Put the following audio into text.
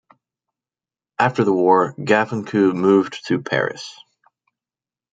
After the war, Gafencu moved to Paris.